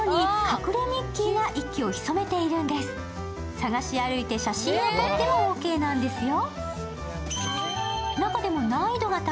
探し歩いて写真を撮ってもオーケーなんですよ。